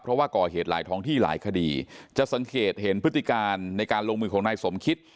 เพราะว่าก่อเหตุหลายท้องที่หลายคดีจะสังเกตเห็นพฤติการในการลงมือของนายสมคิต